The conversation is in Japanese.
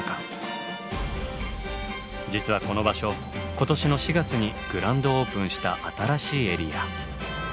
今年の４月にグランドオープンした新しいエリア。